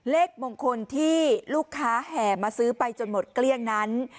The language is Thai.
เลขมงคลที่ลูกค้าแห่มาซื้อไปจนหมดเกลี้ยงนั้น